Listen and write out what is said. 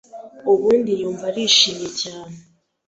ubundi yumva arishimye cyane